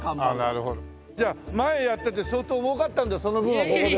じゃあ前やってて相当もうかったのでその分をここで。